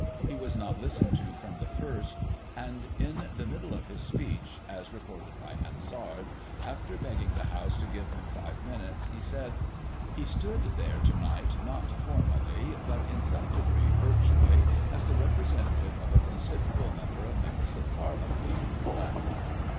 He was not listened to from the first, and, in the middle v of his speech, as reported by Hansard^ after begging the I House to give him five minutes, he said :" He stood there / to night, not formally, but, in some degree, virtually, as the representative of a considerable number of Members of Parlia ment {laughter).